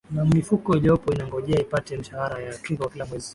na mifuko iliyopo inangojea ipate mshahara wa kila mwezi